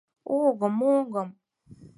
— Огым, огым.